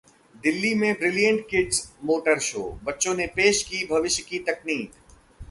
दिल्ली में brilliant kids motor show, बच्चों ने पेश की भविष्य की तकनीक